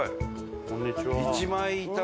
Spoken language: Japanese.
こんにちは。